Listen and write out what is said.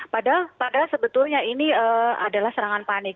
padahal sebetulnya ini adalah serangan panik